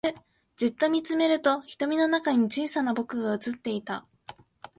じっと見つめると瞳の中に小さな僕が映っていた